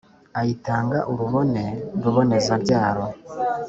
Ayitanga urubone Ruboneza-byaro,